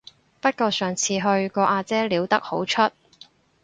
不過上次去個阿姐撩得好出